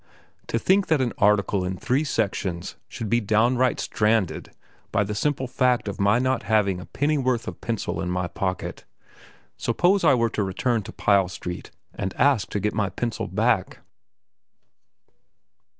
To think that an article in three sections should be downright stranded by the simple fact of my not having a pennyworth of pencil in my pocket. Supposing I were to return to Pyle Street and ask to get my pencil back?